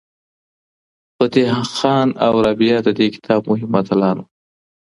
فتح خان او رابعه د دې کتاب مهم اتلان وو.